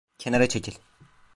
Kenara çekil.